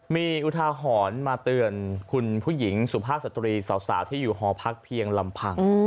มีอุทาหรณ์มาเตือนคุณผู้หญิงสุภาพสตรีสาวที่อยู่หอพักเพียงลำพัง